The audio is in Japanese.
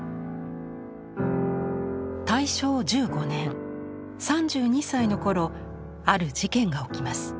大正１５年３２歳の頃ある事件が起きます。